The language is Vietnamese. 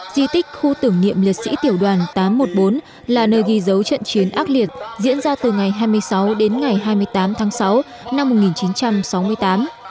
di tích khu tưởng niệm liệt sĩ tiểu đoàn tám trăm một mươi bốn là nơi ghi dấu trận chiến ác liệt diễn ra từ ngày hai mươi sáu đến ngày hai mươi tám tháng sáu năm một nghìn chín trăm sáu mươi tám